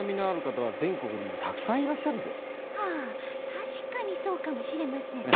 たしかにそうかもしれませんねえ。